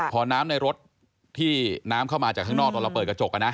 พอน้ำในรถที่น้ำเข้ามาจากข้างนอกตอนเราเปิดกระจกนะ